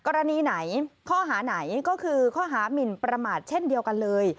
กรณีไหนข้อหาไหนก็คือข้อหามินประมาทเช่นเดียวกันเลย